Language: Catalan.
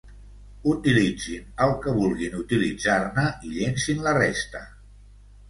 Utilitzin el que vulguin utilitzar-ne i llencin la resta.